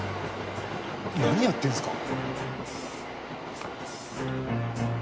何やってんすか？